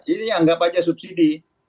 ini anggap saja subsidi